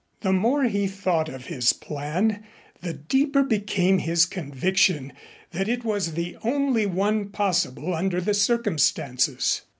The more he thought of his plan, the deeper became his conviction that it was the only one possible under the circumstances.